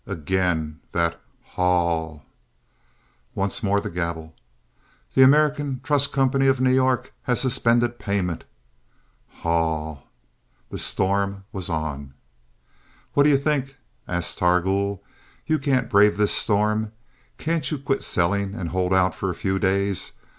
Again that "H a a a w!" Once more the gavel. "The American Trust Company of New York has suspended payment." "H a a a w!" The storm was on. "What do you think?" asked Targool. "You can't brave this storm. Can't you quit selling and hold out for a few days?